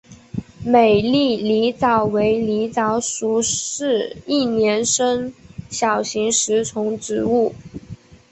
美丽狸藻为狸藻属似一年生小型食虫植物。